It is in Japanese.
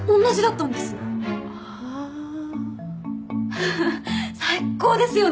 フフ最高ですよね